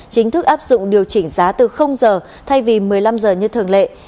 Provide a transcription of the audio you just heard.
chính thức áp dụng điều chỉnh giá từ giờ thay vì một mươi năm giờ như thường lệ